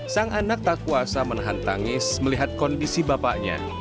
sang anak tak kuasa menahan tangis melihat kondisi bapaknya